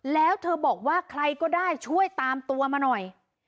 แล้วเธอบอกว่าใครก็ได้ช่วยตามตัวมาหน่อย